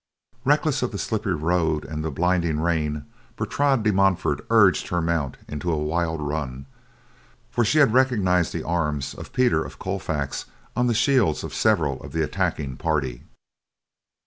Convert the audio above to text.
Reckless of the slippery road and the blinding rain, Bertrade de Montfort urged her mount into a wild run, for she had recognized the arms of Peter of Colfax on the shields of several of the attacking party.